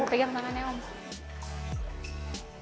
pegang tangannya om